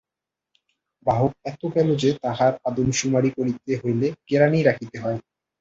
বাহক এত গেল যে তাহার আদমসুমারি করিতে হইলে কেরানি রাখিতে হয়।